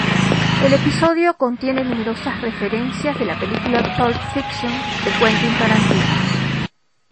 El episodio contiene numerosas referencias de la película "Pulp Fiction", de Quentin Tarantino.